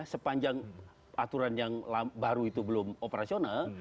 sepanjang aturan yang baru itu belum operasional